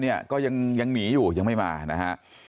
เนี่ยก็ยังหนีอยู่ยังไม่มานะฮะ